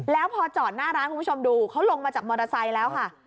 แล้วพอจอดหน้าร้านคุณผู้ชมดูเขาลงมาจากมอเตอร์ไซค์แล้วค่ะ